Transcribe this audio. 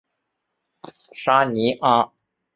沙尼阿。